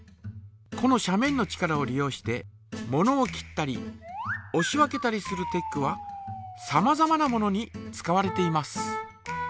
この斜面の力を利用してものを切ったりおし分けたりするテックはさまざまなものに使われています。